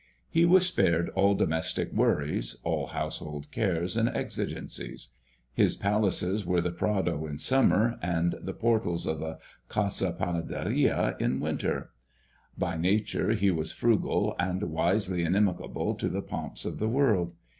He was spared all domestic worries, all household cares and exigencies. His palaces were the Prado in summer, and the portals of the Casa Panadería in winter. By nature he was frugal and wisely inimical to the pomps of the world.